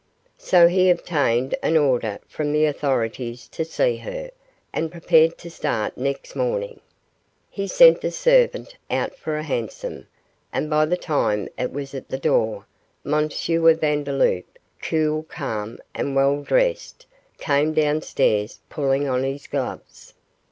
So he obtained an order from the authorities to see her, and prepared to start next morning. He sent the servant out for a hansom, and by the time it was at the door, M. Vandeloup, cool, calm, and well dressed, came down stairs pulling on his gloves.